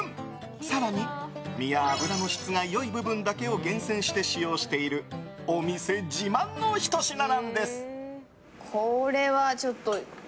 更に身や脂の質がいい部分だけを厳選して使用しているお店自慢のひと品なんです。